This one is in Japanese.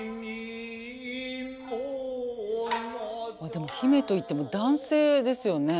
でも姫といっても男性ですよね。